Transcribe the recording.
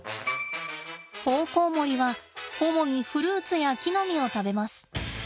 オオコウモリは主にフルーツや木の実を食べます。